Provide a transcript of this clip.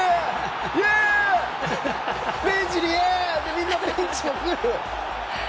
みんな、ベンチも来る。